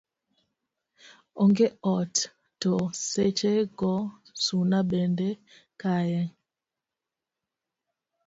oonge ot to seche go suna bende kaye